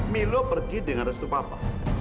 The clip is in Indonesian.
milo pergi dengan restu papa